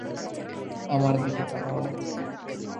আমার দিকে তাকাও!